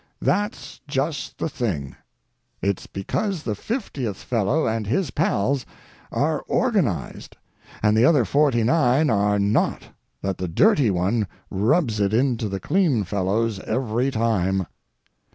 That's just the thing. It's because the fiftieth fellow and his pals are organized and the other forty nine are not that the dirty one rubs it into the clean fellows every time.